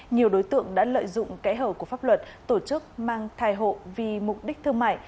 nhiều đối tượng đã lợi dụng kẽ hở của pháp luật tổ chức mang thai hộ vì mục đích thương mại